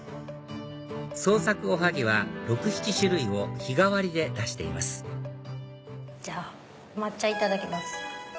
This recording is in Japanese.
創作おはぎは６７種類を日替わりで出していますじゃあ抹茶いただきます。